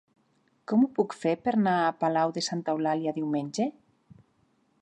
Com ho puc fer per anar a Palau de Santa Eulàlia diumenge?